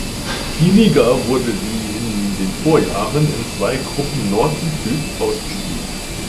Die Liga wurde wie in den Vorjahren in zwei Gruppen Nord und Süd ausgespielt.